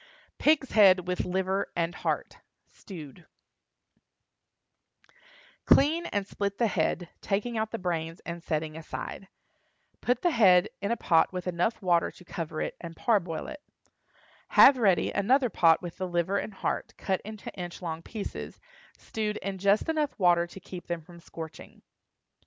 PIG'S HEAD WITH LIVER AND HEART (Stewed). Clean and split the head, taking out the brains and setting aside. Put the head in a pot with water enough to cover it and parboil it. Have ready another pot with the liver and heart, cut into inch long pieces, stewed in just enough water to keep them from scorching.